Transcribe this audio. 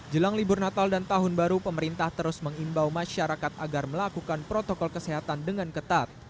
jelang libur natal dan tahun baru pemerintah terus mengimbau masyarakat agar melakukan protokol kesehatan dengan ketat